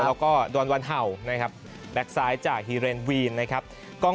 แล้วก็ดวนวันเห่าแบ็คซ้ายจากฮีเรนวีน